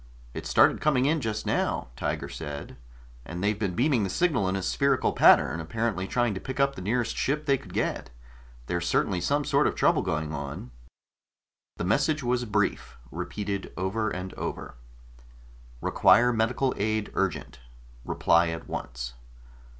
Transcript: "It started coming in just now," Tiger said. "And they've been beaming the signal in a spherical pattern, apparently trying to pick up the nearest ship they could get. There's certainly some sort of trouble going on." The message was brief, repeated over and over: REQUIRE MEDICAL AID URGENT REPLY AT ONCE.